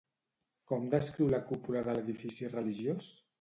Com descriu la cúpula de l'edifici religiós?